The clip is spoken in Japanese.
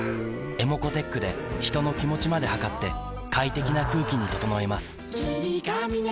ｅｍｏｃｏーｔｅｃｈで人の気持ちまで測って快適な空気に整えます